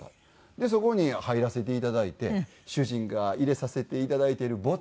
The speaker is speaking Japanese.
でそこに入らせていただいて「主人が入れさせていただいてるボトル